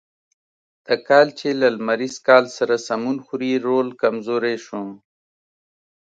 د کال چې له لمریز کال سره سمون خوري رول کمزوری شو.